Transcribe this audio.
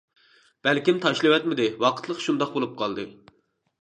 بەلكىم تاشلىۋەتمىدى ۋاقىتلىق شۇنداق بولۇپ قالدى.